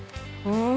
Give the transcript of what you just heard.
うん！